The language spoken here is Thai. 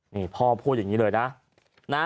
นี่พ่อพูดอย่างนี้เลยนะ